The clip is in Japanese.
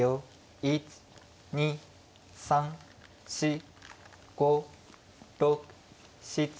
１２３４５６７。